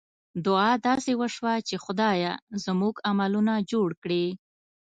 دعا داسې وشوه چې خدایه! زموږ عملونه جوړ کړې.